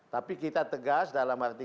tapi kita tegas dalam arti